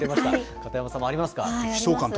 片山さんもありますか。